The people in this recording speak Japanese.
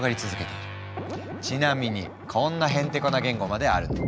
ちなみにこんなへんてこな言語まであるの。